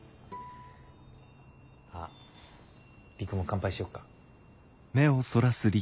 あ璃久も乾杯しよっか。